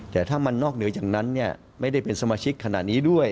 แต่ถ้ามันนอกเหนือจากนั้นไม่ได้เป็นสมาชิกขนาดนี้ด้วย